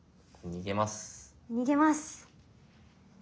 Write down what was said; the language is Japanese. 逃げます。